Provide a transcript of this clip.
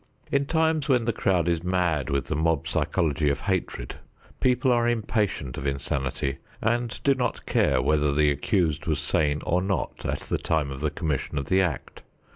In times when the crowd is mad with the mob psychology of hatred, people are impatient of insanity and do not care whether the accused was sane or not at the time of the commission of the act.